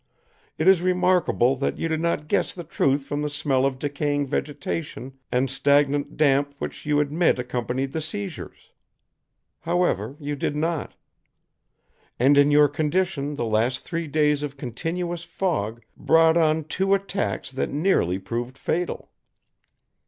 It is remarkable that you did not guess the truth from the smell of decaying vegetation and stagnant damp which you admit accompanied the seizures! However, you did not; and in your condition the last three days of continuous fog brought on two attacks that nearly proved fatal.